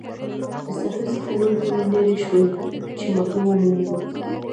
له ساحل څخه نور هم لیري شوو چې ماهي ومومو.